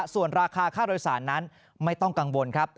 ส่วนราคาค่าโดยสารนั้นไม่ต้องกังวลครับ